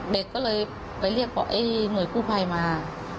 เด็กก็เลยไปเรียกหน่วยผู้ภัยมา